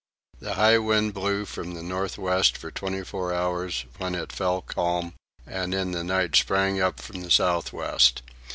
The high wind blew from the north west for twenty four hours, when it fell calm, and in the night sprang up from the south west.